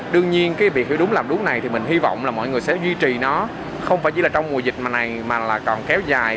đương nhiên việc hiểu đúng và làm đúng này thì mình hy vọng mọi người sẽ duy trì nó không chỉ trong mùa dịch này mà còn kéo dài